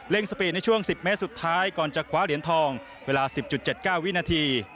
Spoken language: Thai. สปีดในช่วง๑๐เมตรสุดท้ายก่อนจะคว้าเหรียญทองเวลา๑๐๗๙วินาที